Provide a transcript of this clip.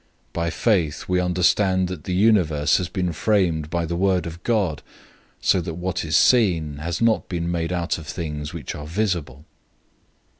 011:003 By faith, we understand that the universe has been framed by the word of God, so that what is seen has not been made out of things which are visible.